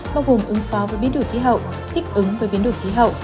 bao gồm ứng phó với biến đổi khí hậu thích ứng với biến đổi khí hậu